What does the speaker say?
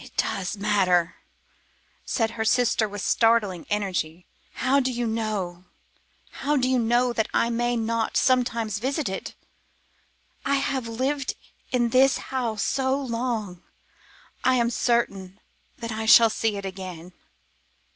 "It does matter," said her sister with startling energy. "How do you know, how do I know that I may not sometimes visit it? I have lived in this house so long I am certain that I shall see it again.